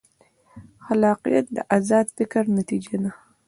خلاقیت د ازاد فکر نتیجه ده.